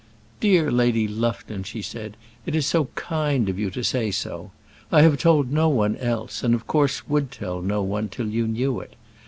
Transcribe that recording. "Dear Lady Lufton," she said, "it is so kind of you to say so. I have told no one else, and of course would tell no one till you knew it.